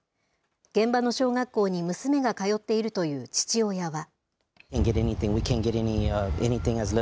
現場の小学校に娘が通っているという父親は。